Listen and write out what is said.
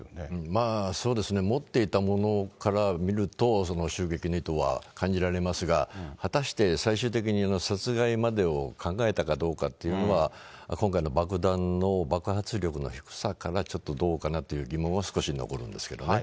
まあそうですね、持っていたものから見ると、襲撃の意図は感じられますが、果たして最終的に殺害までを考えたかどうかというのは、今回の爆弾の爆発力の低さから、ちょっとどうかなという疑問は少し残るんですけどもね。